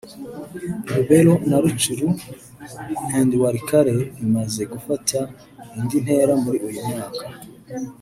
Lubero na Rutshuru and Walikale rimaze gufata indi ntera muri uyu mwaka